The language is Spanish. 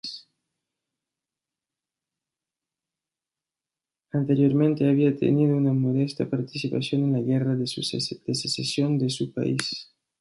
Anteriormente, había tenido una modesta participación en la Guerra de Secesión de su país.